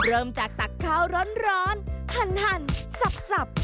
เริ่มจากตักข้าวร้อนหั่นสับ